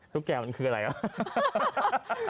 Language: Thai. ตุ๊กแก่มันคืออะไรฮะ